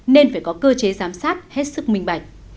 nên phải có cơ chế giám sát hết sức minh bạch